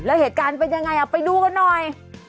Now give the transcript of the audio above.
แล้วเหตุการณ์เป็นยังไงเอาไปดูกันหน่อย